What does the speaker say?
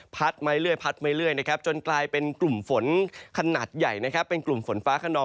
พัดไม่เรื่อยจนกลายเป็นกลุ่มฝนขนาดใหญ่เป็นกลุ่มฝนฟ้าขนอม